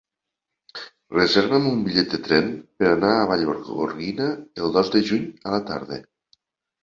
Reserva'm un bitllet de tren per anar a Vallgorguina el dos de juny a la tarda.